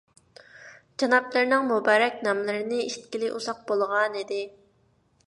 جانابلىرىنىڭ مۇبارەك ناملىرىنى ئىشىتكىلى ئۇزاق بولغانىدى.